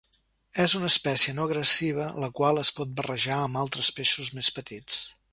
És una espècie no agressiva, la qual es pot barrejar amb altres peixos més petits.